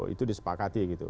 itu disepakati gitu